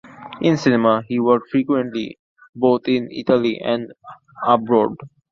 In cinema, he worked frequently both in Italy and abroad.